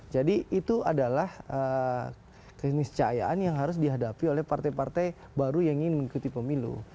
jadi itu adalah kesecehayaan yang harus dihadapi oleh partai partai baru yang ingin mengikuti pemilu